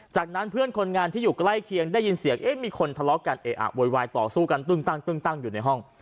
จากนั้นเพื่อนคนงานที่อยู่ใกล้เคียงได้ยินเสียงเอ๊ะมีคนทะเลาะกัน